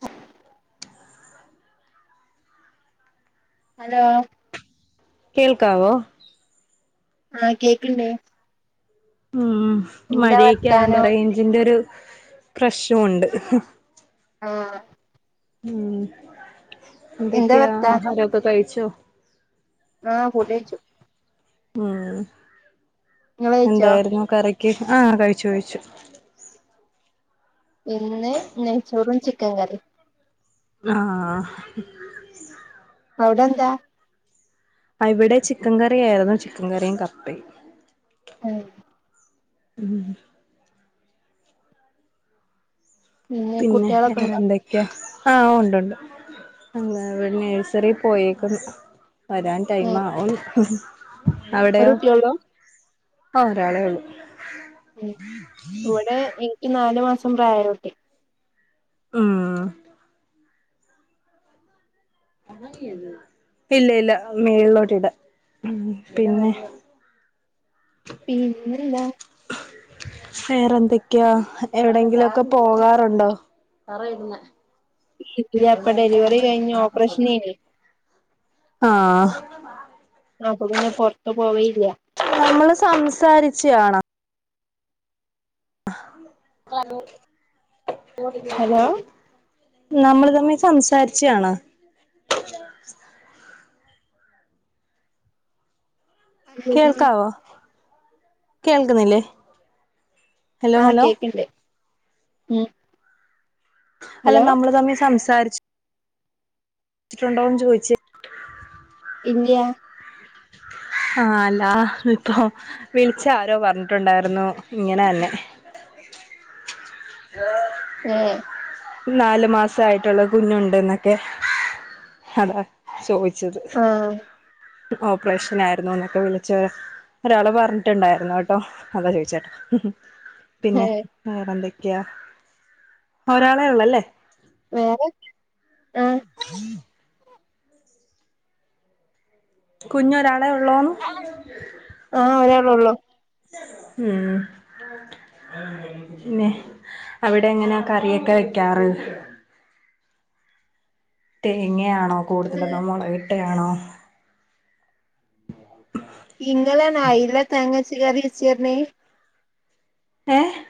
[inaudible] Hello. കേൾക്കാവോ? ആ കേക്ക്ണ്ട്. ഉം എന്താ മഴയൊക്കെ ആയോണ്ട് വർത്താനം റെയ്ഞ്ചിന്റെ ഒരു പ്രശ്നവുണ്ട്. ആഹ്. മ് എന്താ എന്തൊക്കെയ വർത്താനം ആഹരൊക്കെ കഴിച്ചോ? ആ ഫുഡയ്ച്ചു. മ് ഇങ്ങള് കഴിച്ചോ എന്താരുന്നു? കറിക്ക്? ആ കഴിച്ചു കഴിച്ചു. ഇന്ന് നെയ്ച്ചോറും ചിക്കൻ കറിം ആഹ് അവ്ടെന്താ ഇവടെ ചിക്കൻ കറിയായിരുന്നു ചിക്കൻ കറിം കപ്പേം ഉം ഉം പിന്നെ കുട്ടികളൊക്കെ ഉണ്ടോ വേറെന്തെ ക്ക്യാ ആഹ് ഉണ്ട് ഉണ്ട് അംഗനവാട് നഴ്സറി പോയേക്ക്ന്നു വരാൻ ഉം ടൈംമാവുന്ന് ഒരു അവടെയോ കുട്ടിയൊള്ളൂ ആഹ് ഒരാളെ ഒള്ളു ഉം ഇവടെ ഇന്ക് നാലുമാസം പ്രായായൊരു കുട്ടി ഉം ഇല്ല ഇല്ലാ മേള്ലോട്ട് ഇടാ ഉം പിന്നെ പിന്നെന്താ വേറെ എന്തൊക്കെയാ എവിടെങ്കിലൊക്ക പോവാറുണ്ടോ ഇല്ല്യ ഇപ്പ ഡെലിവറികഴിഞ്ഞു ഓപ്പറേഷനേനി ആഹ് അപ്പൊ പിന്നെ പൊറ്ത്ത് പോവേല്ല്യാ നമ്മള് സംസാരിച്ചയാണോ ഹലോ [unintelligible] നമ്മള് തമ്മി സംസാരിച്ചയാണോ [inaudible] അല്ലല്ലോ കേൾക്കാവോ കേൾക്ക്ന്നില്ലേ ആഹ് കേക്ക്ണ്ട് ഉം അല്ല ഹലോ നമ്മള് തമ്മി സംസാരിച്ചു ച്ചിട്ടുണ്ടോന്ന് ചോയ്ച്ച് ഇല്ല്യാ ആ അല്ലാ ഇപ്പോ വിളിച്ച ആരോ പറഞ്ഞിട്ടുണ്ടായിരുന്നു ഇങ്ങനെ തന്നെ ഹലോ ഏഹ് നാലു മാസയിട്ടുള്ള കുഞ്ഞുണ്ട്ന്നൊക്കെ അതാ ചോയിച്ചത് ആഹ് ഓപ്പറേഷനായിരുന്നുന്നൊക്കെ വിളിച്ച് ഒരാള് പറ്ഞ്ഞിട്ടുണ്ടായിരുന്നുട്ടോ അതാ ചോയിച്ചേട്ടൊ പിന്നെ ഏഹ് വേറെന്തൊക്യയാ ഒരാളെ ഒള്ളല്ലേ വേറെ ആഹ് [unintelligible] കുഞ്ഞൊരാളെ ഒള്ളൂ ആഹ് ഒരാള് ഒള്ളൂ ഉം പിന്നെ അവിടെ എങ്ങനെ കറിയൊക്കെ വെക്കാറ് തേങ്ങയാണോ കൂടുതല് ഏഹ് അതോ മുളകിട്ടയാണോ ഇങ്ങളെണോ അയില തേങ്ങര്ച്ച് കറിവെച്ച്ർഞ്ഞെ ഏഹ്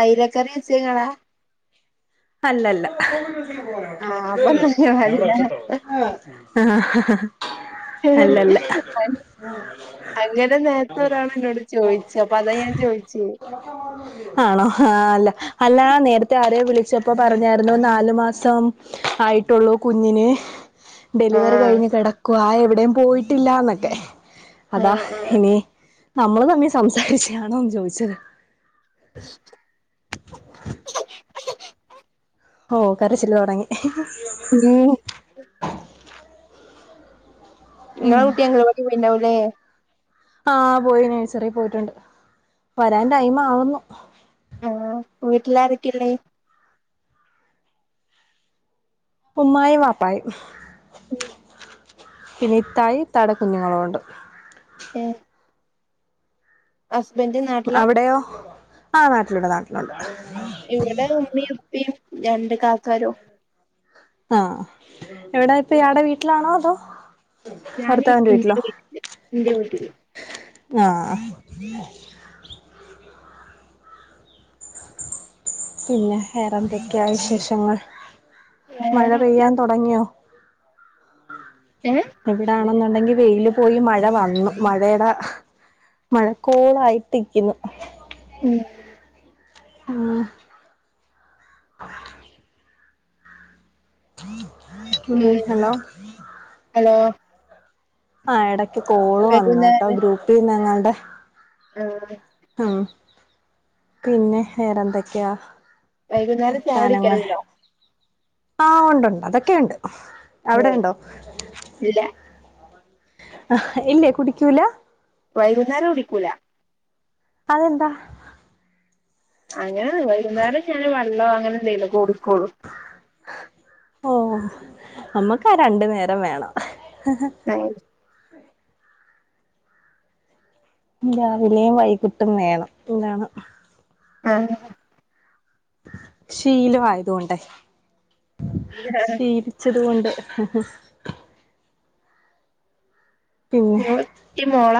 അയിലക്കറി വെച്ചത് ഇങ്ങളാ അല്ലല്ല ആഹ് അപ്പൊ ആഹ് അല്ലല്ല [unintelligible] അങ്ങനെ നേരത്തെ ഒരാള് എന്നോട് ചോയ്ച്ച് അപ്പൊ അതാ ഞാൻ ചോയിച്ചേ ആണോ ആ അല്ല അല്ല നേരത്തെ ആരേയോ വിളി ട്ട് പറഞ്ഞാർന്നു നാല് മാസം ആയിട്ടുള്ളു കുഞ്ഞിന് ഡെലിവറി ആഹ് കഴിഞ്ഞ് കിടക്കുവാ എവിടെയും പോയിട്ടില്ലാന്നൊക്കെ അതാ ആഹ് ആഹ് ഇനി നമ്മള് തന്നെ സംസാരിച്ചയാണോന്ന് ചോദിച്ചത് [unintelligible] ഓ കരച്ചില് തുടങ്ങി ഉം ഇങ്ങളെ കുട്ടി അംഗനവാടി പോയിണ്ടാവുല്ലേ ആഹ പോയി നെഴ്‌സറി പോയിട്ടുണ്ട് വരാൻ ടൈം ആവുന്നു ആഹ വീട്ടിലാാരക്കെ ഇള്ളെത് ഉമ്മായും വാപ്പായും ഉം പിന്നെ ഇത്തായും ഇത്താടെ കുുഞ്ഞുങ്ങളുമുണ്ട് ഏഹ് ഹസ്ബൻഡ് നാട്ടിലാ അവിടെയോ ആഹ് നാട്ടിലുണ്ട് നാട്ടിലുണ്ട് ഇവിടെ ഉമ്മയും ഉപ്പും രണ്ട് കാക്കാരും ആഹ എവിടാ ഇപ്പൊ ഇയാടെ വീട്ടിലാണോ അതോ ഞാന് ഭർത്താവിന്റെ ഇന്റെ വീട്ടിലോ വീട്ടില് ഇന്റെ വീട്ടില് ആഹ ഇല്ല വേറെ ഏന്തൊക്കെയാ വിശേഷങ്ങൾ മഴ വേറൊക്കെ പെയ്യാൻ തുടങ്ങിയോ ഏഹ് ഇവിടാണെന്നുണ്ടെങ്കി വെയില് പോയി മഴ വന്നു മഴേടെ മഴക്കോളായിട്ട് നിക്കന്നു മ് ആഹ് ആ ഉ ഉമ് ഹലോ ആ എടക്ക് കോള് വന്ന കേട്ടോ വൈകുന്നേരം ഗ്രൂപ്പ ങ്ങളുടെ ആഹ് ആഹ് പിന്നെ വേറെന്തൊക്കെയാ വൈകുന്നേരം ചായ വർത്താനങ്ങൾ കുടിക്കലുണ്ടോ ആഹ ഉണ്ടണ്ട് അതൊക്കെയുണ്ട് ഓ അവിടെണ്ടോ ഇല്ല ആഹ് ഇല്ലേ കുടിക്കൂല വൈകുന്നേരം കുടിക്കൂല അതെന്താ അങ്ങനെ വൈകുന്നേരം ഞാൻ വെള്ളോ അങ്ങനെ എന്തങ്കിലൊക്കെ കുടിക്കോള്ളൂ ഓ നമ്മക്ക രണ്ടു നേരം വേണം [inaudible] രാവിലെയും വൈകിട്ടും വേണം [inaudible] ആഹ് ശീലവായതുകൊണ്ടേ ശീല വച്ചതുകൊണ്ട് പിന്നെ മോള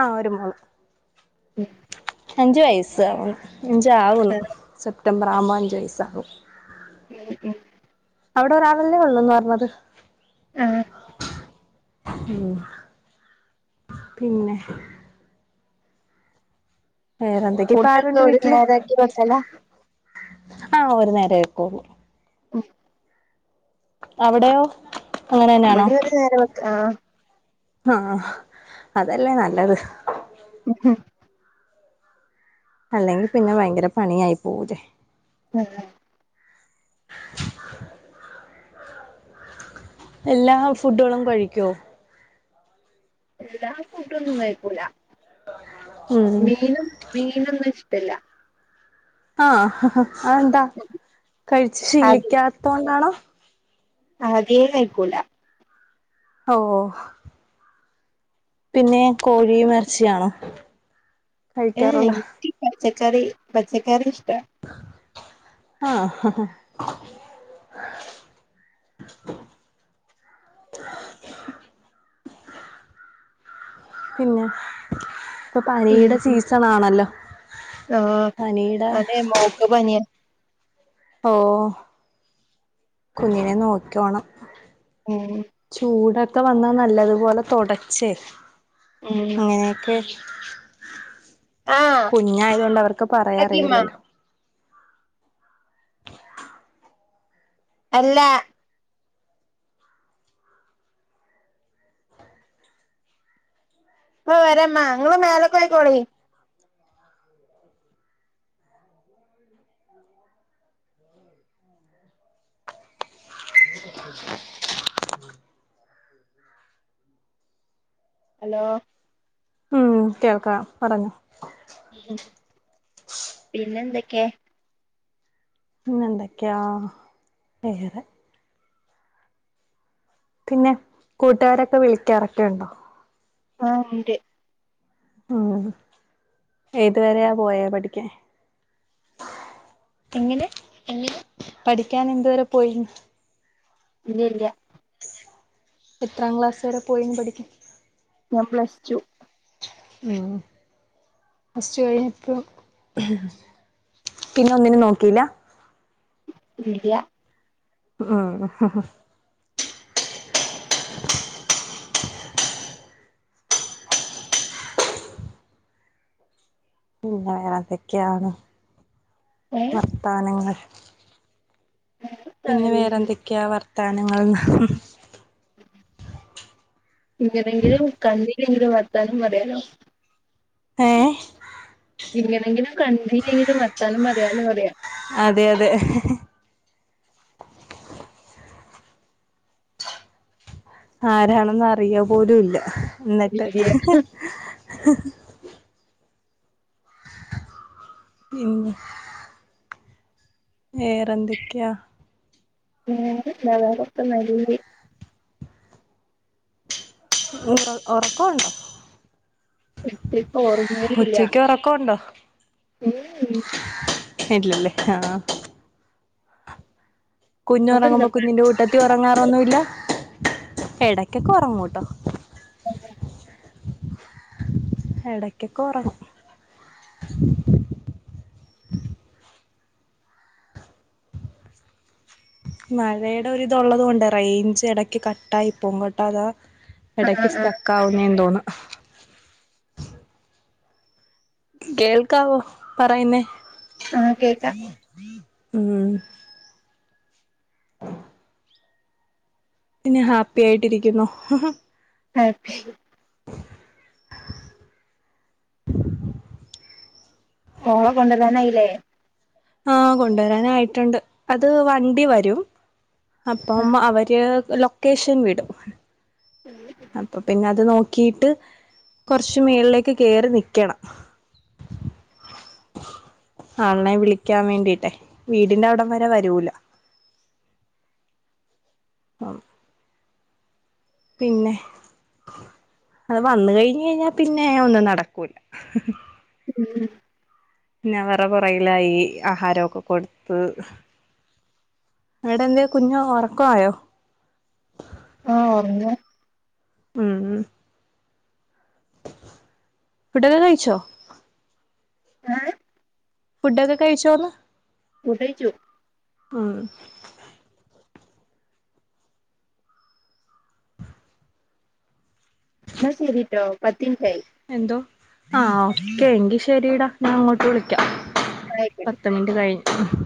ആഹ് ഒരു മോ അഞ്ച് വയസ്സ ആകുന്നു അഞ്ച ആകുന്നു സെപ്റ്റംബർ ആകുമ്പോൾ അഞ്ച് വയസ്സകും ഉമ് അവിടെ ഒരാളല്ലേ ഉള്ളൂ എന്ന് പറഞ്ഞത് ആഹ് ഉമ് പിന്നെ വേറെന്തൊക്കെയ ഇപ്പൊ ഫുഡൊക്കെ ആരുണ്ട് ഒരു വീട്ടില് നേരാക്കി വെക്കല ആഹ് ഒരു നേരം ആക്കൂ ഉമ് അവിടെയോ അങ്ങനെ തന്നെയാണോ ഇവിടെ ഒരു നേരം വെക്ക ആ ആഹ് അതല്ലേ നല്ലത് ങ് ഹ് അല്ലെങ്കിൽ പിന്നെ ഭയങ്കര പണിയായി പോവ്‌ലേ. [unintelligible] എല്ലാ ഫുഡുകളും കഴിക്കുവോ? എല്ലാ ഫുഡൊന്നും കഴിക്കൂലാ. ഉം മീനും മീനൊന്നും ഇഷ്ടല്ല. ആഹ് അതെന്താ കഴിച്ചു ശീലിക്കാത്തണ്ടൊണാണോ? ആദ്യേ കഴിക്കൂല. ഓഹ് പിന്നെ കോഴിയും എർച്ചിയാണോ ഏഹ് ഇൻ ക്ക് പച്ചക്കറി, പച്ചക്കറി ഇഷ്ട്ടാ ആഹ് പിന്നെ ഇപ്പ പനിടെ സീസൺ ആണല്ലോ? ആഹ് അതെ മോക്ക് പനിയാ. ഓ കുഞ്ഞിനെ നോയ്ക്കോണം മ് ചൂടെക്കെ വന്നാ നല്ലതുപോലെ തൊടച്ചേ. ഉം ങ്ങനെയെക്കെ ആ കുഞ്ഞായത് കൊണ്ട് അവർക്ക് പറയാറിയിലല്ലോ. എല്ലാ ഇപ്പ വെരമ്മ. നിങ്ങള് മേലേക് പ്പോയ്ക്കോളി [unintelligible] [unintelligible] [inaudible] ഹലോ ഉം കേൾക്കാം പറഞ്ഞോ. അഹ് പിന്നെന്തെക്കെ? പിന്നെന്തെക്ക്യാ വേറെ. പിന്നെ കൂട്ടുകാരൊക്കെ വിളിക്കാറെക്കെ ഒണ്ടോ? മാമ്ന്റ് ഉം ഏതുവെരെയാ പോയേ പഠിക്കാൻ? എങ്ങനെ? പഠിക്കാൻ എന്തുവെരെപ്പോയിന്ന്. ഇല്ല ഇല്ല എത്രാം ക്ലാസ്സ് വെരെ പോയിന്ന് പഠിക്കാൻ? ഞാൻ പ്ലസ് ടു. മ്ഹ് പ്ലസ് ടു കഴിഞ്ഞിപ്പം, പിന്നെ ഒന്നിനും നോക്കിയില്ല? ഇല്ല്യാ. അആഹ് അഹഹ പിന്നെ വേറെതെക്കെയാണ് ഏഹ് വർത്താനങ്ങൾ? പിന്നെ വേറെ എന്തൊക്കെയാ വർത്താനങ്ങൾന്ന് ഇങ്ങനെങ്കിലും കണ്ടീല്ലെങ്കിലും വർത്താനം പറയാലോ. ഏ ഇങ്ങനെങ്കിലും കണ്ടീലെങ്കിലും വർത്താനം പറയാലോന്ന് പറയാ. അതെ അതെ. ആരാണെന്ന് അറിയപ്പോലുയില്ല ഇന്നെട്ട്. ഇല്ല്യ പിന്നെ വേറെന്തെക്കെയാ? വേറെന്താ വേറൊക്കെ നല്ലഹ് ഉണ്ട് ഒറക്കവുണ്ടോ? ഇപ്പിപ്പം ഒറെങ്ങലില്ല. ഉച്ചക്ക് ഉറക്കമുണ്ടോ ഉമ് ഊമ് ഇല്ലല്ലേ ആഹ് കുഞ്ഞു അവടെന്താ ഉറങ്ങുമ്പോ കുഞ്ഞിന്റെ കൂട്ടത്തി ഉറങ്ങാറൊന്നു ഇല്ല എടക്കൊക്കെ ഉറങ്ങൂട്ടോ [unintelligible] എടയ്ക്കൊക്കൊറ മഴയുടെ ഒരിതുള്ളത് കൊണ്ട് റേയ്ഞ്ച് എടക്ക് കട്ടായി പോവും കേട്ടോ അതാ ആഹ് എടയ്ക്ക് ആഹ് സ്റ്റക്കാവുന്നേന്ന് തോന്ന. കേൾക്കാവോ പറയുന്നേ? ആഹ് കേക്കാം ഉം പിന്നെ ഹാപ്പി ആയിട്ടിരിക്കുന്നു. ഹാപ്പി മോള കൊണ്ടരാനായി ലേ? ആഹ് കൊണ്ട് വരാനായിട്ടുണ്ട് അത് വണ്ടി വരും. അപ്പം ആഹ് അവര് ലൊക്കേഷൻ വിടും അപ്പം പിന്നെ അത് നോക്കിയിട്ട് കുറച്ച് മേളിലേക്ക് കേറി നിക്കണം. ആളിനെ വിളിക്കാൻ വേണ്ടിട്ടെ വീടിന്റെ അവിടം വരെ വരൂല പിന്നെ അത് വന്ന് കഴിഞ്ഞയ്ഞാ പിന്നെ ഒന്നും നടക്കൂല്ല. ഉം ഉം പിന്നെ അവറ പുറയിലായി ആഹാര ഒക്കെ കൊടുത്ത് എവിടെ എന്തേ കുഞ്ഞ് ഒറക്ക ആയോ ആഹ് ഒർങ്ങ ഉം ഉം ഫുഡൊക്കെ കഴിച്ചോ? ഏഹ് ഫുഡൊക്കെ കഴിച്ചോന്ന് ഫുഡയിച്ചു ഉം എന്നാ ശരിട്ടോ പത്ത് മിൻറ്റായി എന്തോ ആഹ് ഓക്കെ എങ്കി ശരിടാ ഞാൻ അങ്ങോട്ട് വിളിക്കാം ആയിക്കോട്ടെ പത്ത് മിനിറ്റ് കഴിഞ്ഞ്